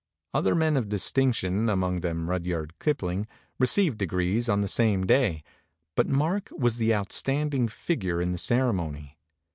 Other men of distinction, among them Rudyard Kipling, received degrees on the same day; but Mark was the outstanding figure in the cere mony.